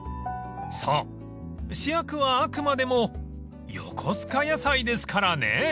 ［そう主役はあくまでもよこすか野菜ですからね］